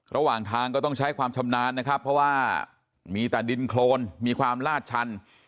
ระหว่างทางก็ต้องใช้ความชำนาญนะครับเพราะว่ามีแต่ดินโครนมีความลาดชัน